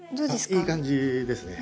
いい感じですね。